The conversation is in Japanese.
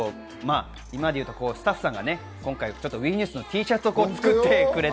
あとスタッフさんがね、今回、ＷＥニュースのＴシャツを作ってくれて。